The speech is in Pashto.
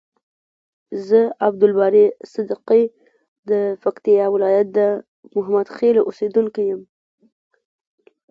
ز عبدالباری صدیقی د پکتیکا ولایت د محمدخیلو اوسیدونکی یم.